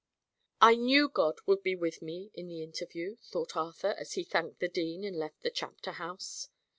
"I knew God would be with me in the interview!" thought Arthur, as he thanked the dean and left the Chapter House.